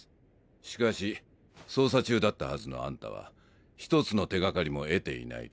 しかし捜査中だったはずのあんたはひとつの手がかりも得ていないという。